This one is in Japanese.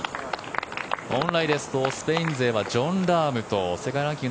本来ですとスペイン勢はジョン・ラームと世界ランキング